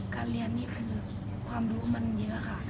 การเรียนนี่คือความรู้มันเยอะค่ะ